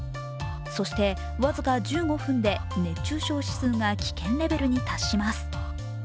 そして、僅か１５分で熱中症指数が危険レベルに達します。